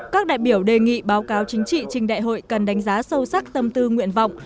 các đại biểu đề nghị báo cáo chính trị trình đại hội cần đánh giá sâu sắc tâm tư nguyện vọng